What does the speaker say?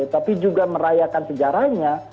tapi juga merayakan sejarahnya